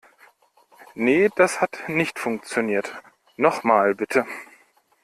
Nee, das hat nicht funktioniert. Nochmal bitte.